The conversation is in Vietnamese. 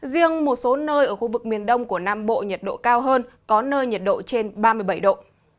riêng một số nơi ở khu vực miền đông của nam bộ nhiệt độ cao hơn có nơi nhiệt độ trên ba mươi bảy độ